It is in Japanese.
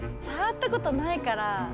さわったことないから。